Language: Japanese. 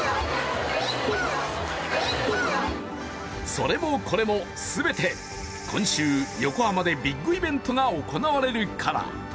それもこれも、全て今週、横浜でビッグイベントが行われるから。